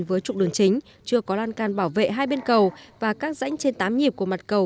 với trục đường chính chưa có lan can bảo vệ hai bên cầu và các rãnh trên tám nhịp của mặt cầu